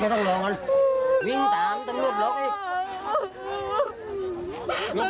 อืม